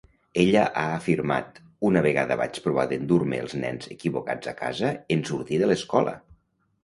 Ella ha afirmat: Una vegada vaig provar d'endur-me els nens equivocats a casa en sortir de l'escola!